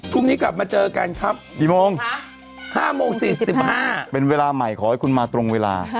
พรุ่งนี้กลับมาเจอกันครับกี่โมง๕โมง๔๕เป็นเวลาใหม่ขอให้คุณมาตรงเวลา